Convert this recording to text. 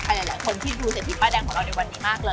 หลายคนที่ดูเศรษฐีป้ายแดงของเราในวันนี้มากเลย